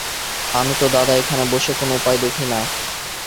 আমি তো দাদা এখানে বসে কোন উপায় দেখি না।